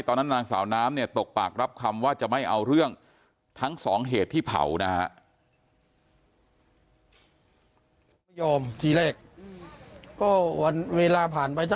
นางสาวน้ำเนี่ยตกปากรับคำว่าจะไม่เอาเรื่องทั้งสองเหตุที่เผานะฮะ